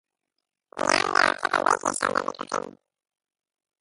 גם בארצות-הברית יש הרבה ויכוחים